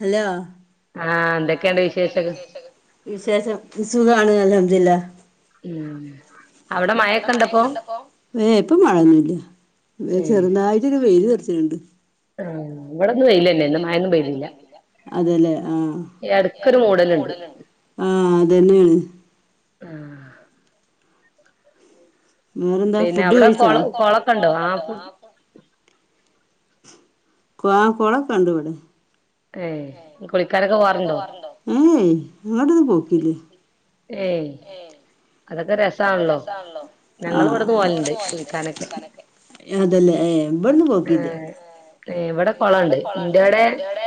Hello ആഹ് എന്തൊക്കെയുണ്ട് വിശേഷം വിശേഷം സുഖാണ് [unintelligible] ഉം അവിടെ മഴ ഓക്കെ ഉണ്ടോ ഇപ്പൊ ഏയ് ഇപ്പൊ മഴ ഒന്നുമില്ല ചെറുതായിട്ട് ഒരു വെയില് തെറച്ചിട്ടുണ്ട് ആ ഇവിടുന്ന് വെയില് തന്നെ മഴ പെയ്തില്ല അതല്ലേ ആ ആഹ് അതന്നെയാണ് ആഹ് പിന്നെ അവിടെ കൊളം കൊളക്കുണ്ടോ ആ ഫു കൊ കൊളക്കണ്ട് ഇവിടെ ഏ കുളിക്കാരൊക്കെ പോറുണ്ടോ ഇങ്ങോട്ടൊന്ന് പോക്കില്ലേ ഏയ് അതൊക്കെ രസ അതൊക്കെ രസമാണല്ലോ ആ ഞങ്ങള് ഇവിടന്ന് പോവാ [unintelligible] അതല്ലെ ഏ് ഇബർന്ന് പോക്കില്ല ഏ എവിടെ ഇവിടെ എ കൊളണ്ട് എൻ്റെവിടെ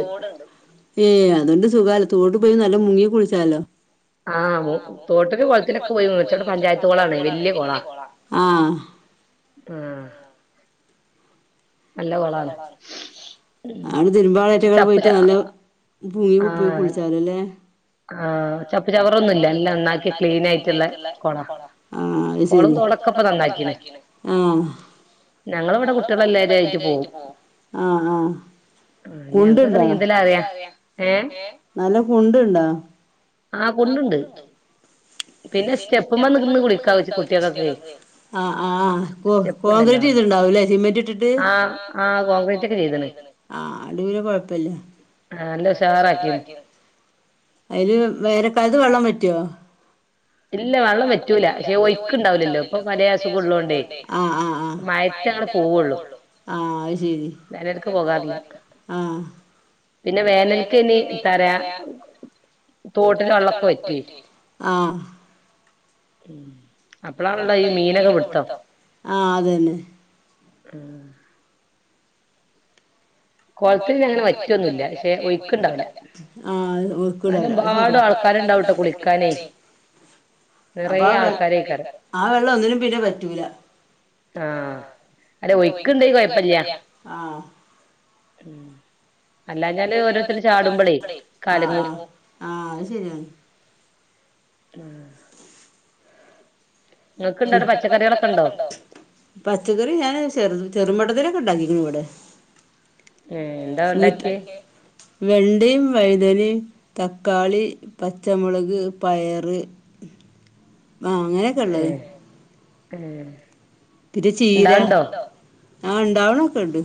തോടുണ്ട് ഏ് അതൊണ്ട് സുഖ- തോട്ട് പോയി നല്ല മുങ്ങി കുളിച്ചാലോ ആഹ് തോട്ടില് കുളത്തിലൊക്കെ പോയിച്ചടെ ഇവിടെ പഞ്ചായത്ത് കൊളാണേ വലിയ കോളാ ആഹ് നല്ല കൊളാണ് ആണ് തിരുമ്പാളേറ്റക്കടെ പോയിട്ട് നല്ല പുങ്ങി പോയി കുളിച്ചാലല്ലേ ആ ചപ്പ് ചവറ് ഒന്നുമില്ല എല്ലാം നന്നാക്കി ക്ലീൻ ആയിട്ടുള്ള കൊള്ളാ അത് ശരി തുടക്കപ്പ നന്നാക്കിയാണ് ആഹ് ഞങ്ങള് ഇവിടെ കുട്ടികള് എല്ലാരും ആയിട്ട് പോകും ആഹ് ആഹ് കുണ്ടുണ്ടാ [unintelligible] നിന്തൽ അറിയാ ഏ നല്ല കുണ്ടുണ്ടാ ആഹ് കുണ്ടുണ്ട് പിന്നെ സ്റ്റെപ്പുമേ നിന്ന് കുളിക്കാ കുട്ടികൾക്ക് ആഹ് ആഹ് ആഹ് കോ കോൺക്രീറ്റ് ചെയ്ത് ഉണ്ടാവുലെ സിമന്റ് ഇട്ടിട്ട് ആ ആ കോൺഗ്രീറ്റ് ഒക്കെ ചെയ്തെണു ആഹ് അതൂരെ കൊഴപ്പില്ല ആ നല്ല ഉഷാറാക്കിന്ന് അതില് വേനാക്കാലത്ത് വെള്ളം പറ്റോ ഇല്ല വെള്ളം പറ്റൂല പക്ഷേ ഒഴിക്ക് ഉണ്ടാവില്ലല്ലോ ഇപ്പൊ പല അസുഖമ ഉള്ളതോണ്ടേ മയത്ത ഞ പോവോള്ളു [unintelligible] എടക്ക് പോകാറില്ല പിന്നെ വേനൽക്ക് ഇനി തരാ തോട്ടില് വെള്ളോക്കെ വറ്റുവേ അപ്പളാണല്ലോ ഈ മീനൊക്കെ പിടുത്തോ കൊളത്തില് അങ്ങനെ പറ്റുവൊന്നുമല്ല പക്ഷെ ഒഴുക്കുണ്ടാവില്ല എന്നാലമ്പാടും ആൾക്കാ ആരുണ്ടാവട്ടെ കുളിക്കാന് അപ്പൊ [unintelligible] ആ വെ ആ വെള്ളം ഒന്നിനും പിന്നെ പറ്റൂല ആ അല്ല ഒഴിക്ക് ഇണ്ടേ കുഴപ്പില്ല ഉം അല്ലഞ്ഞാല് ഓരോരുത്തും ചാടുമ്പോളേ കാലങ്ങും ആ നിങ്ങൾക്ക് എന്താ പച്ചക്കറിക്കൾ ഒക്കെ ഉണ്ടോ പച്ചക്കറി ഞാൻ ചെറു ചെറുമട്ടത്തിലരൊക്കെ ഉണ്ടാക്കി ഇവിടെ എന്താ ഉണ്ടാക്കിയേ വെണ്ടയും വൈതനയും തക്കാളി പച്ചമുളക് പയറ് ഉ ആ അങ്ങനെയൊക്കെ ഉള്ളത് ഉം പിന്നെ ചീര ഉണ്ടാവണ്ടോ ആ ഉണ്ടാവണൊക്കെ ഇണ്ട്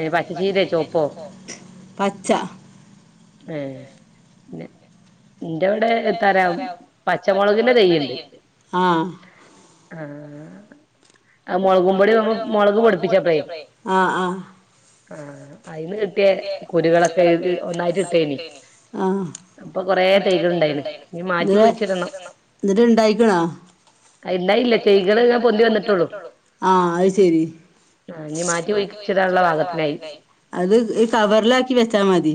ഏ പച്ച ചീരയോ ചോവപ്പോ പച്ച ആ എന്റെ ഇവിടെ തരാം പച്ചമുളകിന്റെ തൈയുണ്ട് ആ ആ മുളകും പൊടി മുളക് പൊടിപ്പിച്ചപ്പോളേ ആ അതിന്ന് കിട്ടിയ കുരുകളൊക്കെ ഒന്നായിട്ട് ഇട്ടയിനി. ആ കുറെ തൈകൾ ഉണ്ടായിനു് ന്നട്ട് ഇണ്ടായിക്കണോ ണ്ടായില്ല തയ്കള് പൊന്തി വന്നിട്ടുള്ളൂ. ആ അത് ശെരി [unintelligible] അത് കവറിലാക്കി വെച്ചാ മതി.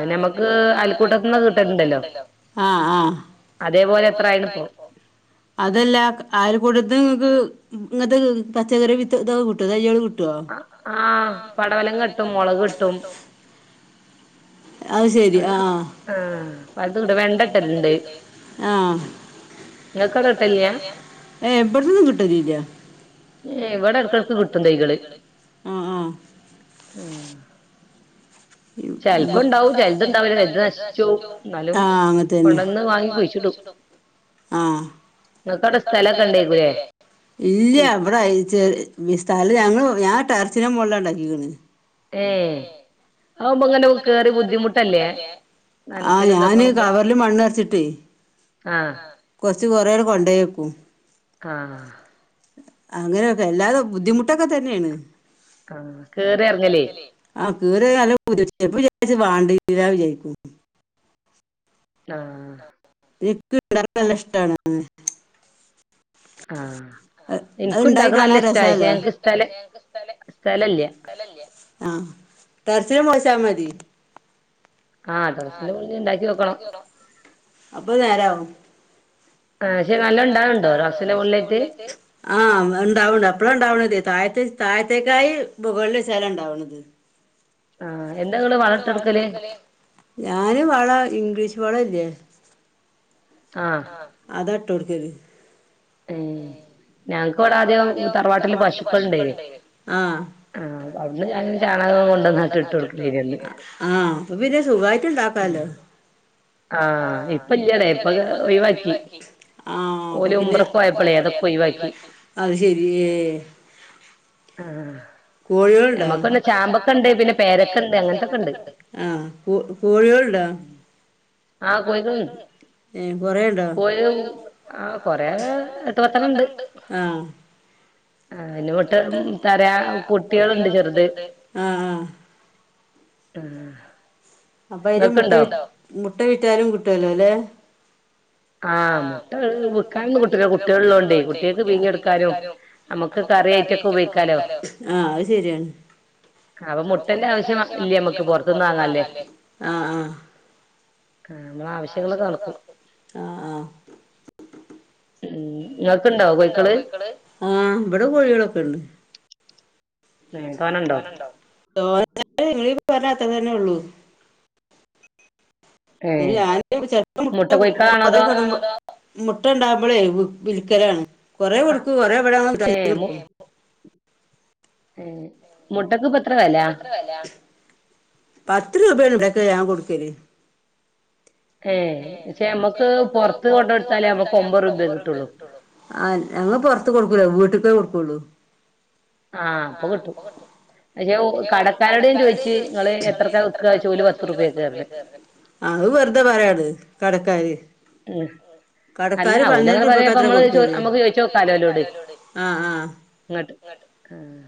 ആ നമ്മക്ക് അയൽക്കൂട്ടത്തിൽന്ന കിട്ടലുണ്ടല്ലോ അതേപോലെ അതല്ല അയൽക്കുട്ടത്തിന്ന് നിങ്ങക്ക് ഇങ്ങതെ പച്ചക്കറി വിത്തൊക്കെ കിട്ടോ, തൈയ്യ ആ ആ പടവലങ്ങ കിട്ടും, മുളക് കിട്ടും ആ പലതും കിട്ടും, വെണ്ടകിട്ടലുണ്ട് [inaudible] ഏ ഇവിടതൊന്നും കിട്ടലില്ല. ഇവിടെ കിട്ടും തൈ കള് ആ ആ ഇ ചിലപ്പൊ ണ്ടാവും ചിലതുണ്ടാവില്ല ചിലത് നശിച്ചു പോവും, ആ അതു തന്നെ, കൊടന്നു വാങ്ങി കുഴിച്ചിടും. ആ നിങ്ങക്കവിടെ സ്ഥലൊക്കെ ഉണ്ടേക്കൂല്ലേ ഇല്ല അവിടെ ചെ സ്ഥലം ഞങ്ങള് ഞാൻ ടെറസിന്റെ മേലെ ഉണ്ടാക്കിക്കണെ. ഏ അതാവുമ്പങ്ങനെ കേറി ബുദ്ധിമുട്ടല്ലേ ആഹ് ഞാന് കവറില് മണ്ണ് നിറച്ചിട്ടേ ആ കുറച്ച് കൊറേ ആണ്ട് കൊണ്ടോയക്കും ആ അങ്ങനെയൊക്കെ എല്ലാതും ബുദ്ധിമുട്ടൊക്കെ തന്നെയാണ്. ആ കേറി ഇറങ്ങലെ കേറി നല്ലപൂതികയ്യും വാണ്ടീർന്നില്ല വിചാരിക്കും ആഹ എനിക്ക് വളരെ നല്ല ഇഷ്ടമാണ്. അതുണ്ടായി കാണാൻ രസാലെ ആഹ ടറസിന്റെമോൾ വെച്ചാമതി അപ്പൊഅത് നേരാവും ആ നല്ലണ്ടാവണ്ടോ ടാറസിന്റെ മോളിലായിട്ട്. ആ ഉണ്ടാവണ്ട് അപ്പഴ ഉണ്ടാവണതെ താഴത്തേക്കായി മുകളിൽ സ്ഥലം ഉണ്ടാവണത് ആഹ ഞാന് വളം ഇംഗ്ലീഷ് വളം ഇല്ലേ ആഹ ട്ടുടക്കല് ഉം ഞങ്ങൾക്ക് ഇവിടെ ആദ്യം തറവാട്ടില് പശുക്കലുണ്ടായിനി. ആ ആ അപ്പൊ പിന്നെ സുഖമായിട്ടുണ്ടാകാലോ ഹല്ലോ ആഹ ഇപ്പല്ലടാ ഇപ്പൊ ഒഴിവാക്കി ആ പിന്നെ, ഉംറക്ക് പോയപ്പളെ അതൊക്കെ ഒഴിവാക്കി. അത് ശെരി, ഏ കോഴികൾ ഉണ്ടോ നമ്മക്കുണ്ട് ചാമ്പക്കണ്ട് പിന്നെ പേരക്കണ്ട് അങ്ങനത്തൊക്കെണ്ട്. ആ കോഴികളുണ്ടോ ൾണ്ടോ ആഹ കോഴികൾ ഉണ്ട്. ആ കൊറെണ്ടോ ആ കൊറേ എട്ടു പത്തെണ്ണം ണ്ട്. ആഹ ആഹ് ഇനി ഇട്ട് തരാ കുട്ടികളുണ്ട് ചെറുത് ആഹ് അപ്പൊ അര് മുട്ട മുട്ട വിറ്റാലും കിട്ടുവല്ലോ അല്ലെ ആഹ് മുട്ട വിക്കാനൊന്നും കിട്ടൂല കുട്ടികളുണ്ടോണ്ടെ കുട്ടികൾക്ക് പിങ്ങി എടുക്കാനും നമുക്ക് കറിയ്ക്കക്ക് ഒക്കെ ഉപയോഗിക്കാലോ ആഹ് അത് ശരിയാണ് അപ്പൊ മുട്ടന്റെ ആവശ്യം ഇല്ല നമ്മക്ക് പുറത്തുന്ന് വാങ്ങല്ലേ ആഹ് ആഹ് ആഹ് ഉം ഇങ്ങക്ക്ണ്ട കോഴിക്കള് ആഹ് ഇവിടെ കോഴികളൊക്കെ ഉണ്ട് തൊന്നോണ്ടോ നിങ്ങളിപ്പ പറഞ്ഞാത്ര തന്നെ ഉള്ളൂ [unintelligible] മുട്ടണ്ടാമ്പളെ വി വിൽക്കലാണ് കൊറെേ കൊടുക്കൂ കൊറെേ വിട [unintelligible] കൊടുക്കും ഏഹ് മുട്ടക്ക് ഇപ്പേത്ര വില ത്ത് രൂപയാണിവിടെക്കെ ഞാൻ കൊടുക്കല് ഏഹ് പക്ഷെ നമ്മക്ക് പുറ ത്ത് കൊണ്ട് കൊടുത്താൽ നമുക്ക് ഒമ്പത് റുപ്പിയ കിട്ടുള്ളു ആഹ് ഞങ്ങൾ പുറത്ത് കൊടുക്കൂല വീട്ടക്കേ കൊടുക്കുള്ളൂ ആഹ് അപ്പൊ കിട്ടും പക്ഷെ കട കടക്കാരുടെ ചോദിച്ച് നിങ്ങള് എത്രക്ക വെക്കോലി ഓല് പത്ത് റുപ്പയക്ക് അന്ന അത് വെറുതെ പറായണ് കടക്കാര് ഉം അല്ല ഓവലങ്ങനെ പറഞ്ഞപ്പ നമ്മള് നമ്മുക്ക് ചോദിച്ച് നോക്കാലോ ഓലോട് ഇങ്ങട്ട് ആഹ്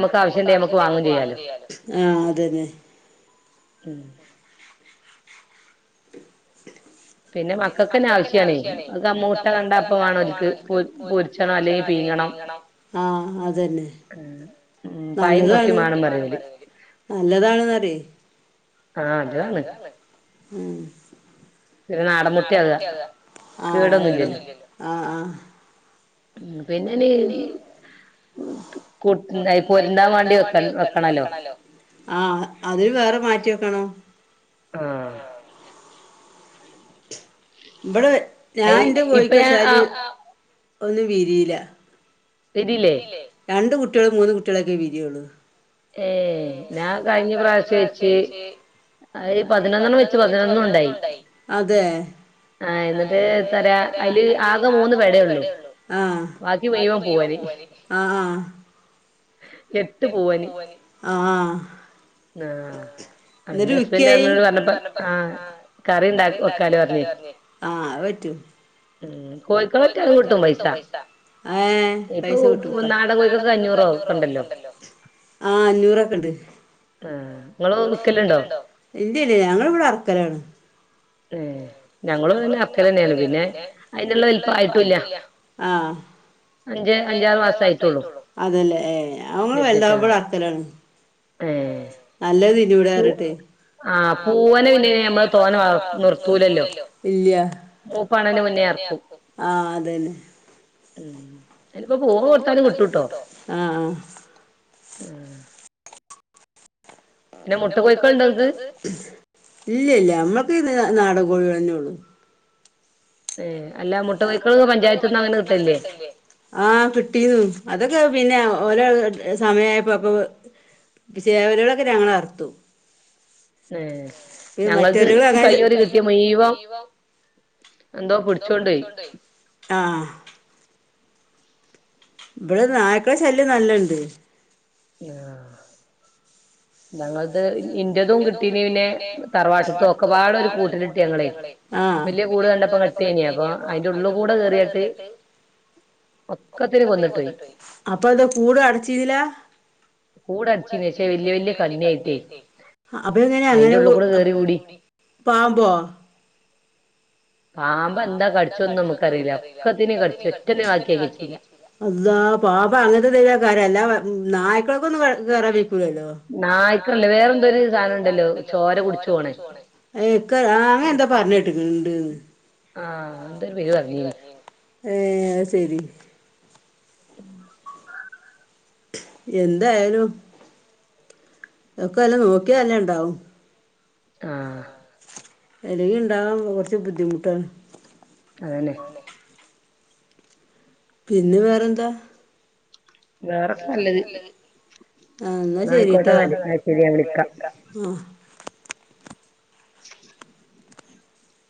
ഇന്നട്ടമ്മക്ക് ആവശ്യണ്ടെ അമ്മക്ക് വാങ്ങും ചെയ്യാലോ ആഹ് അതെന്നെ ഉം പിന്നെ മക്കക്കെന്നെ ആവശ്യണേ അത് മൂട്ട കണ്ടാ അപ്പ വാണോൽക്ക് പൊ പൊര്ച്ചണം അല്ലെങ്കി പീങ്ങണം. വീങ്ങണം. ആഹ് അതെന്നെ ഉം നല്ലതാണ് മുട്ടി മാണം പറ്യോല് നല്ലതാണ്ന്നറ്യേ ആഹ് അതാണ് ഉം പിന്നെ നാടൻ മുട്ട്യാവാ ആഹ് അതെന്നെ ആഹ് ആഹ് ഉം പിന്നെയ്ന് [unintelligible] പോരാണ്ടൻ വേണ്ടി വെക്ക വെക്കണല്ലോ ആഹ് അതിന് വേറെ മാറ്റിവെ ഉം ആഹ് ഇവിടെ ഞാൻ എന്റെ കോഴിക്ക് വെച്ചാല് ഒന്നും വിരിയില്ല രണ്ട് കുട്ടികളും മൂന്ന് കുട്ടികളൊക്കെ വിരിയുള്ളു ഏഹ് ഞാൻ കഴിഞ്ഞ പ്രാവശ്യ വെച്ച് അതില് പതിനൊന്നണം വെച്ച് പതിനൊന്നും ഉണ്ടായി ആഹ് എന്നിട്ട് തരാ അതില് ആകെ മൂന്ന് പേടേ ഉള്ളൂ ബാക്കി മുയുവൻ പൂവൻ ആഹ് ആഹ് ആഹ് ആഹ് എന്റെ ഹസ്ബൻഡ് പറഞ്ഞപ്പ ആഹ് കറിണ്ടാക്കി വെക്കല് പറഞ്ഞ് ആ അത് പറ്റും കോഴിക്കോ വിറ്റാലും കിട്ടും പൈസ ഇപ്പൊ നാടൻ കോഴിക്കൊക്കെ അഞ്ഞൂറോ ഒക്കെ ഉണ്ടാലോ ആഹ് അഞ്ഞൂറൊക്കെ ഇണ്ട് ഇങ്ങള് നിക്കലുണ്ടോ ഇല്ല ഇല്ല ഞങ്ങൾ ഇവിടെ വറക്കലാണ് പേ ഞങ്ങള് പിന്ന വറക്കല് തന്നെയാണ് പിന്നെ അയിനുള്ള വലപ്പായിട്ടുല്ല ആഹ് അഞ്ച് അഞ്ചാം ക്ലാസ്സായിട്ടുള്ളു അതല്ലേ എ അവള് വല്താവുമ്പോഴാ അത്തലാണ് ഏ നല്ലത് ഞ്ചൂദാർ ഇട്ടേ ആ പൂവന് പിന്നെ ഞമ്മള് തോന വള നീർത്തൂലല്ലോ ഇല്ല നോപ്പാളനു മുന്നെ അറക്കും ആ അതന്നെ ഇനിപ്പോ പോവുകൊടുത്താലും കിട്ടുട്ടോ ആഹ് പിന്നെ മൊട്ടപൊയിക്കണ്ടത് ഇല്ല ഇല്ല നമ്മൾക്ക് നാടൻ കോഴികളെന്നെ ഒള്ളു ഏ അല്ല മുട്ട പൊയ്ക്കണത് പഞ്ചായത്തിനാണ് കിട്ടല്ലേ ആ കിട്ടീന്നു അതൊക്കെ പിന്നെ ആണോ ഓരോ സമയായപ്പോ അപ്പോ [unintelligible] കളൊക്കെ ഞങ്ങളറുത്തു ഇനി മറ്റൊരു [unintelligible] കഴിഞ്ഞ കുറി കിട്ടിയ മുഴുവം എന്തോ പിടിച്ചോണ്ടോയി ഇബടെ നായ്ക്കള ശല്യം നല്ലണ്ട് യാ ഞങ്ങളത് ഇൻ്റതും കിട്ടീനിം പിന്നെ തറവാട്ട്ത്തൊ ഒക്കെപ്പാടെ ഒരു കൂട്ടിലിട്ട് ഞങ്ങളെയ് ആഹ് വെല്യ കൂട് [unintelligible] കട്ടീനോ അപ്പൊ അയിന്റ ഉള്ളു കൂടെ കേറിയേട്ട് ഒക്കത്തിനെ കൊന്നിട്ട് പോയി അപ്പൊ അത് കൂട് അടച്ചീതിലാ കൂട് അടച്ചീനിം പക്ഷെ വല്യ വല്യ കൺ കണ്ണി ആയിട്ടേയ് അപ്പൊ എങ്ങനെ അങ്ങനെ അയ്‌ന്റെ ഉള്ളുക്ക് കേറി കൂടി പാമ്പോ പാമ്പെന്താ കടിച്ചോന്നും നമ്മക്കറിയില്ല ഒക്കത്തിനിം കടിച്ച് ഒറ്റ ഒന്നിനേം ബാക്കി ആക്കീട്ടില്ല അള്ളാ പാ അപ്പൊ അങ്ങനത്തെ എന്തെങ്കിലും അയ്ക്കാരം അല്ലാതെ നായ്ക്കക്കൊന്നും കേറാൻ വെയ്ക്കൂലല്ലോ നായ്ക്കളല്ല വേറന്തോരു സാധനണ്ടല്ലോ ചോര കുടിച്ചു പോണ ഏഹ് ഇൻക്ക് ആ അങ്ങനെ എന്തോ പറഞ്ഞേട്ട്ക്ക്ണ് ഉണ്ട്ന്ന് ആഹ് അത് ഫിലു പറഞ്ഞീനിം ഏയ് അഹ് ശരി എന്തായാലും അതൊക്കല്ലാം നോക്കിയാലേ ഇണ്ടാവു ആ എല്ലെങ്കി ഇണ്ടാകാമ്പോ കൊറച്ച് ബുദ്ധിമുട്ടാണ് അതേല്ലേ പിന്നെ വേറെന്താ വേറെ നല്ലത് നായ്ക്കോട്ട നാല് നായ്‌ക്കേരി ഞങ്ങളിക്ക